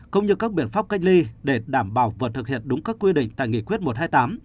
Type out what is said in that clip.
cũng như các biện pháp cách ly để đảm bảo vượt thực hiện đúng các quy định tại nghị quyết một trăm hai mươi tám